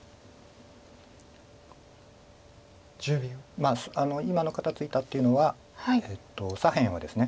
まあ今の肩ツイたっていうのは左辺はですね